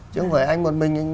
chứ không phải anh một mình